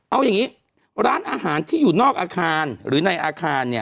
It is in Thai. เอาอย่างนี้ร้านอาหารที่อยู่นอกอาคารหรือในอาคารเนี่ย